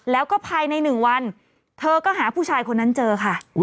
แล้วก็ภายใน๑วันเธอก็หาผู้ชายคนนั้นเจอค่ะ